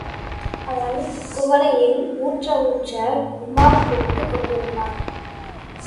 அவன் குவளையில் ஊற்ற ஊற்ற உமார் குடித்துக் கொண்டிருந்தான்.